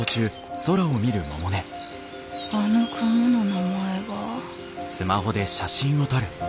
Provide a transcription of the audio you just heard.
あの雲の名前は。